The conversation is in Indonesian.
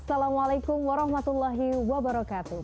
assalamualaikum warahmatullahi wabarakatuh